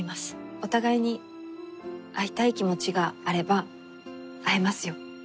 お互いに会いたい気持ちがあれば会えますよ。